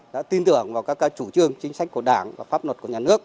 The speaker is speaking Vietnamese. đã tin tưởng vào các chủ trương chính sách của đảng và pháp luật của nhà nước